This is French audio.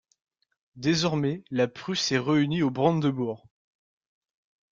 Désormais, la Prusse est réunie au Brandebourg.